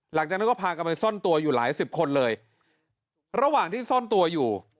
หลังจากนั้นก็พากันไปซ่อนตัวอยู่หลายสิบคนเลยระหว่างที่ซ่อนตัวอยู่